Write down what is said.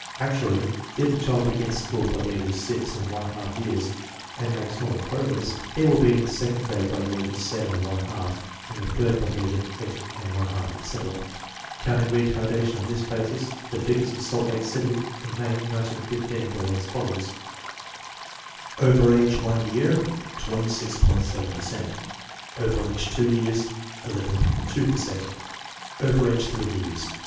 Actually, if the child begins school by the age of six and one half years and makes normal progress, he will be in the second grade by the age of seven and one half, in the third by the age of eight and one half, etc. Counting retardation on this basis, the figures for Salt Lake City, in May, 1915, were as follows: Over age 1 year 26.7 per cent Over age 2 years 11. 2 per cent Over age 3 years 3.